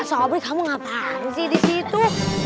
sobring kamu ngapain sih disitu